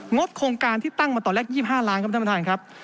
บโครงการที่ตั้งมาตอนแรก๒๕ล้านครับท่านประธานครับ